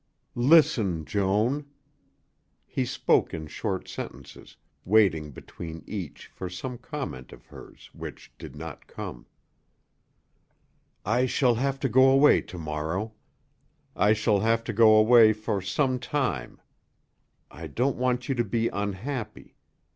"Listen, Joan." He spoke in short sentences, waiting between each for some comment of hers which did not come. "I shall have to go away to morrow. I shall have to go away for some time. I don't want you to be unhappy.